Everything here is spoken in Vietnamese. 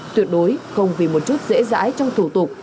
tuyệt đối không vì một chút dễ dãi trong thủ tục